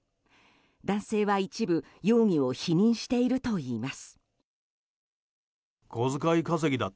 男性は一部容疑を否認しているといいます。